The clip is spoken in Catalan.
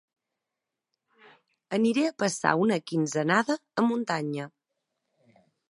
Aniré a passar una quinzenada a muntanya.